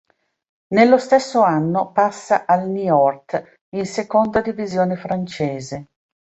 Nello stesso anno passa al Niort in seconda divisione francese.